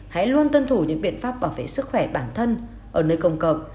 hãy luôn tuân thủ những biện pháp bảo vệ sức khỏe bản thân ở nơi công cộng